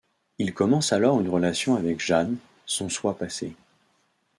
Il commence alors une relation avec Jane, son soi passé.